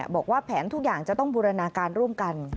บอกว่าแผนทุกอย่างจะต้องบูรณาการร่วมกัน